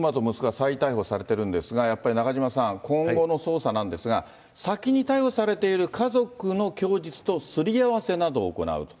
元妻と息子が逮捕されているんですが、中島さん、今後の捜査なんですが、先に逮捕されている家族の供述とすり合わせなどを行うと。